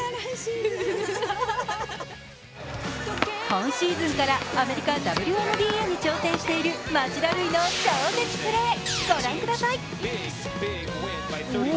今シーズンからアメリカＷＮＢＡに挑戦している町田瑠唯の超絶プレー、ご覧ください。